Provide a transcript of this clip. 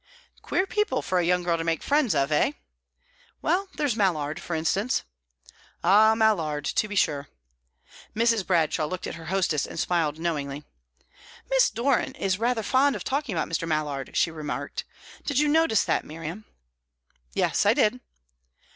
"Queer people for a young girl to make friends of, eh?" "Well, there's Mallard, for instance." "Ah, Mallard, to be sure." Mrs. Bradshaw looked at her hostess and smiled knowingly. "Miss Doran is rather fond of talking about Mr. Mallard," she remarked. "Did you notice that, Miriam?" "Yes, I did."